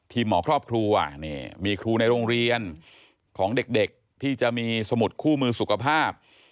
หมอครอบครัวมีครูในโรงเรียนของเด็กที่จะมีสมุดคู่มือสุขภาพ